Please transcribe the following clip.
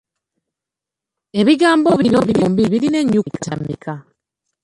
Ebigambo bino byombi birina ennyukuta mmeka?